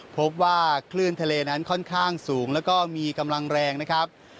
พบว่าคลื่นทะเลนั้นค่อนข้างสูงแล้วก็มีกำลังแรงนะครับ